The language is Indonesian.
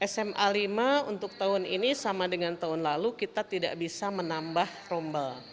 sma lima untuk tahun ini sama dengan tahun lalu kita tidak bisa menambah rombal